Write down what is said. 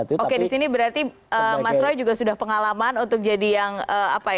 oke di sini berarti mas roy juga sudah pengalaman untuk jadi yang apa ya